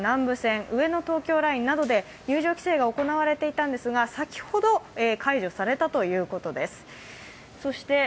京浜東北線、南武線、上野東京ラインなどで入場規制が行われていたんですが先ほど解除されたということです。